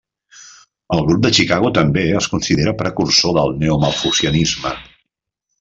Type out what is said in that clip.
El grup de Chicago també es considera precursor del neomalthusianisme.